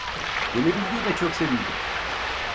Gelebildiğine çok sevindim.